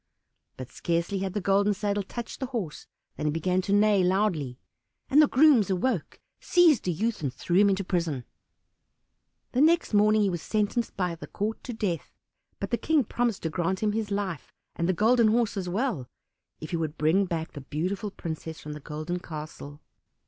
But scarcely had the golden saddle touched the horse than he began to neigh loudly. The grooms awoke, seized the youth, and threw him into prison. The next morning he was sentenced by the court to death; but the King promised to grant him his life, and the Golden Horse as well, if he could bring back the beautiful princess from the Golden Castle.